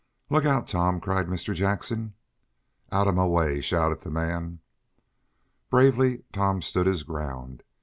"Look out, Tom!" cried Mr. Jackson. "Out of my way!" shouted the man. Bravely Tom stood his ground.